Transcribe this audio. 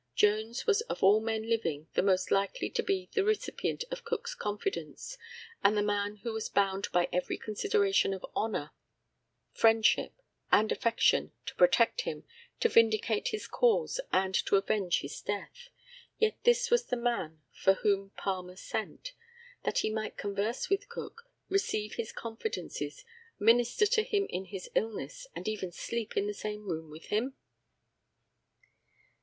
Jones was of all men living the most likely to be the recipient of Cook's confidence, and the man who was bound by every consideration of honour, friendship, and affection to protect him, to vindicate his cause, and to avenge his death. Yet this was the man for whom Palmer sent, that he might converse with Cook, receive his confidences, minister to him in his illness, and even sleep in the same room with him!